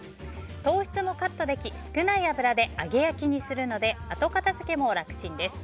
糖質もカットでき少ない油で揚げ焼きにするので後片付けも楽ちんです。